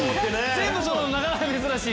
全部そろうのなかなか珍しい。